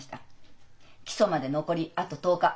起訴まで残りあと１０日。